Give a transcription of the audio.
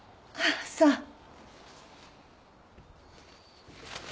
ああそう。